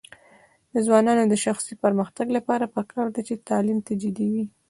د ځوانانو د شخصي پرمختګ لپاره پکار ده چې تعلیم ته جدي وي.